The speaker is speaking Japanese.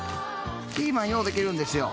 ピーマンようできるんですよ。